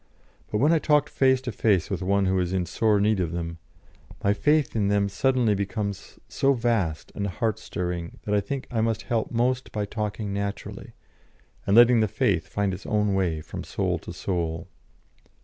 But when I talk face to face with one who is in sore need of them, my faith in them suddenly becomes so vast and heart stirring that I think I must help most by talking naturally, and letting the faith find its own way from soul to soul.